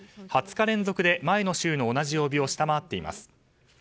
２０日連続で前の週の同じ曜日を下回っています。